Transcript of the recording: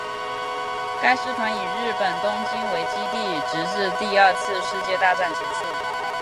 该师团以日本东京为基地直至第二次世界大战结束。